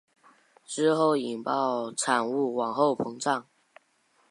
之后引爆产物往后膨胀。